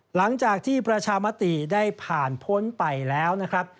หลังจากที่ประชามติได้ผ่านพ้นไปแล้วนะครับ